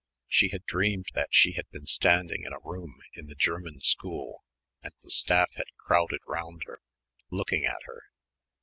She had dreamed that she had been standing in a room in the German school and the staff had crowded round her, looking at her.